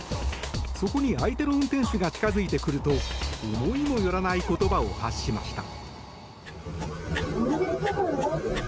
そこに相手の運転手が近づいてくると思いもよらない言葉を発しました。